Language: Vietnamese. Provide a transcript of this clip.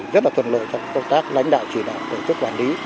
rất là thuận lợi trong công tác lãnh đạo chỉ đạo tổ chức quản lý